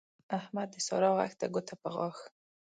احمد د سارا غږ ته ګوته په غاښ